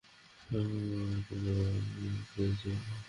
তোমাকে বুঝতে একজন আসবে তোমার জীবনে।